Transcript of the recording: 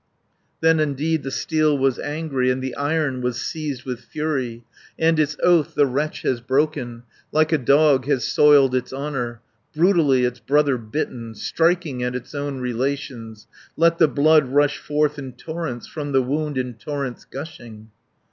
"Then indeed the steel was angry, And the Iron was seized with fury. 260 And its oath the wretch has broken, Like a dog has soiled its honour, Brutally its brother bitten, Striking at its own relations, Let the blood rush forth in torrents, From the wound in torrents gushing."